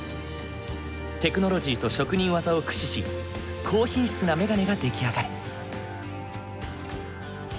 テクノロジーと職人技を駆使し高品質なメガネが出来上がる。